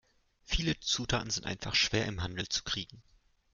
Viele Zutaten sind einfach schwer im Handel zu kriegen.